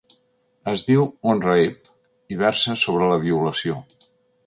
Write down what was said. Es diu ‘On Rape’ i versa sobre la violació.